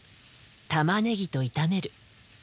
たまねぎと炒める。